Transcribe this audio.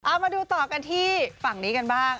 เอามาดูต่อกันที่ฝั่งนี้กันบ้าง